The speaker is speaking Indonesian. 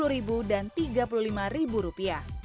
rp tiga puluh dan rp tiga puluh lima